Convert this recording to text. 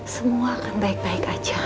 semua akan baik baik aja